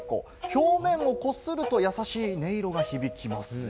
表面をこすると優しい音色が響きます。